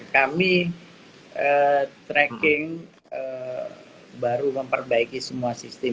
kami tracking baru memperbaiki semua sistem